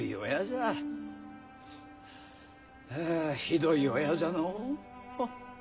ああひどい親じゃのう。